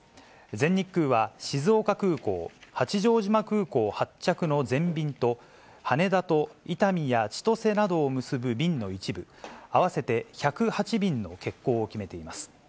全日空は静岡空港、八丈島空港発着の全便と、羽田と伊丹や千歳などを結ぶ便の一部、合わせて１０８便の欠航を決めています。